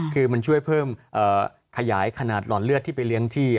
คือมันช่วยเพิ่มขยายขนาดหลอดเลือดที่ไปเลี้ยงที่